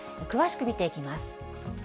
詳しく見ていきます。